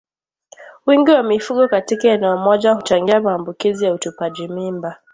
Wingi wa mifugo katika eneo moja huchangia maambuki ya utupaji mimba